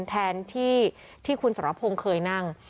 แทนที่คุณสรพงศ์เคยนั่ง